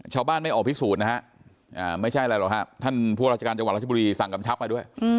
ชาวบ้านไม่ออกพิสูจน์นะฮะไม่ใช่อะไรหรอกฮะท่านผู้ราชการจังหวัดราชบุรีสั่งกำชับมาด้วย